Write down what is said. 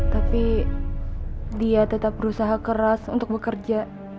tapi dia tetap berusaha keras untuk bekerja